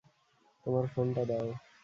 তোমার ফোনটা দাও।